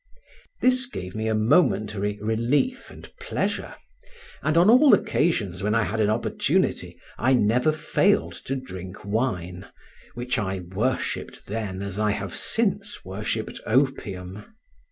This gave me a momentary relief and pleasure; and on all occasions when I had an opportunity I never failed to drink wine, which I worshipped then as I have since worshipped opium.